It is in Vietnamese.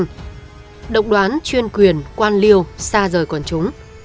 đấu tranh động đoán chuyên quyền quan liêu xa rời quần chúng